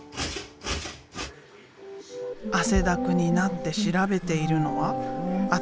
汗だくになって調べているのは新しい企業名。